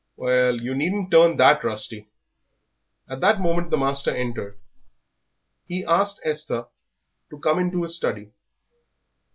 "Well, you needn't turn that rusty." At that moment the master entered. He asked Esther to come into his study.